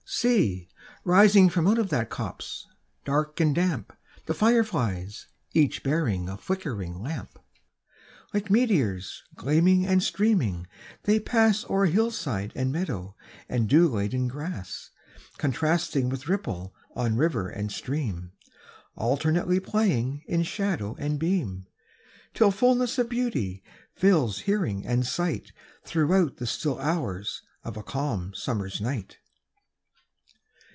See, rising from out of that copse, dark and damp, The fire flies, each bearing a flickering lamp! Like meteors, gleaming and streaming, they pass O'er hillside and meadow, and dew laden grass, Contrasting with ripple on river and stream, Alternately playing in shadow and beam, Till fullness of beauty fills hearing and sight Throughout the still hours of a calm summer's night.